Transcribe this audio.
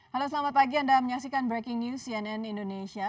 halo selamat pagi anda menyaksikan breaking news cnn indonesia